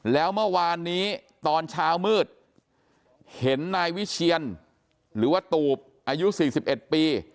แล้วเมื่อวานนี้ตอนเช้ามืดเห็นนายวิเชียนหรือว่าตูบอายุ๔๑ปี